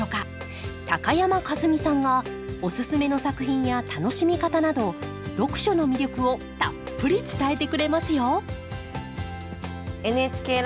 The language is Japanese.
高山一実さんがおススメの作品や楽しみ方など読書の魅力をたっぷり伝えてくれますよ